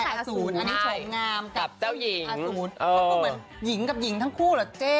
อากาศอย่างของจะอาหารในกับหญิงทั้งครู่หรอเจ๊